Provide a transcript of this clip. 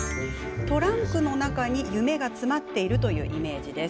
トランクの中に夢が詰まっているというイメージです。